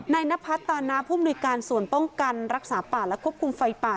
นพัฒนาผู้มนุยการส่วนป้องกันรักษาป่าและควบคุมไฟป่า